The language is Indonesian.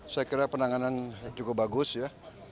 saya kira penanganan cukup bagus ya